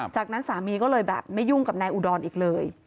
จากนั้นสามีก็เลยแบบไม่ยุ่งกับนายอุดรอีกเลย